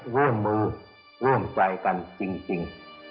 ร่วมมือร่วมใจกันจริง